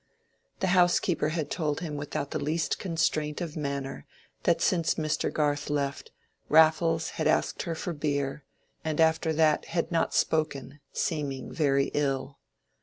The housekeeper had told him without the least constraint of manner that since Mr. Garth left, Raffles had asked her for beer, and after that had not spoken, seeming very ill.